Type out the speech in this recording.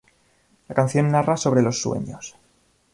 La canción narra sobre los sueños.